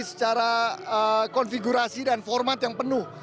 secara konfigurasi dan format yang penuh